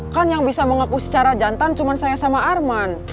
kan yang bisa mengaku secara jantan cuma saya sama arman